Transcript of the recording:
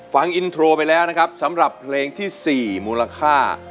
ฟังอินโทรไปแล้วนะครับสำหรับเพลงที่๔มูลค่า